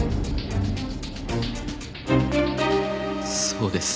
そうです。